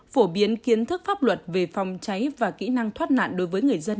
phổ biến kiến thức pháp luật về phòng cháy và kỹ năng thoát nạn đối với người dân